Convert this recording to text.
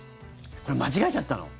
これ、間違えちゃったの？